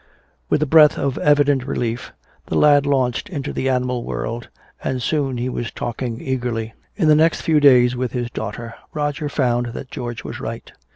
With a breath of evident relief, the lad launched into the animal world. And soon he was talking eagerly. In the next few days with his daughter Roger found that George was right.